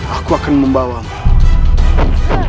aku akan membawamu